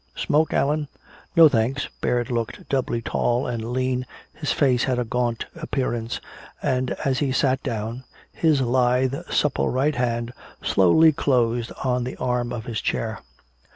"Smoke, Allan?" "No, thanks." Baird looked doubly tall and lean, his face had a gaunt appearance; and as he sat down, his lithe supple right hand slowly closed on the arm of his chair.